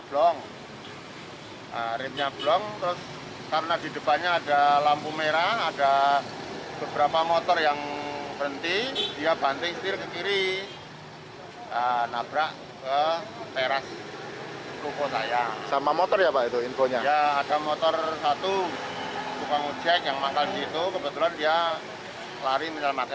lari menelamatkan diri